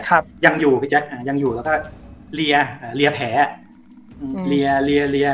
ครับยังอยู่พี่แจ๊คอ่ายังอยู่แล้วก็เรียเรียแผลอ่ะเรียเรียเรีย